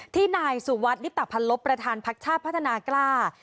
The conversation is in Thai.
ที่นายสุวัสดิตะพันลบประธานพักชาติพัฒนากล้า